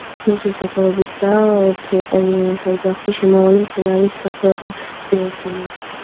მისი სახელობისაა რთულყვავილოვანთა ოჯახში შემავალი მცენარის სახეობა გეორგინა.